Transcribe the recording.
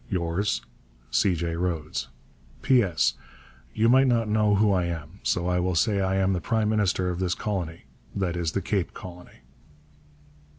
Yours, C. J. RHODES. PS. You might not know who I am, so I will say I am the Prime Minister of this Colony that is the Cape Colony.